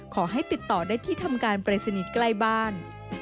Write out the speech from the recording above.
ขอให้ติดต่อได้ที่ทำการปริศนีย์ใกล้บ้าน